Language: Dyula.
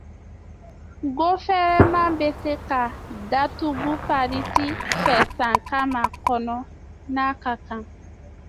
Gofɛrɛnaman bɛ se ka datugu pariti fɛ san caman kɔnɔ, n’a ka kan.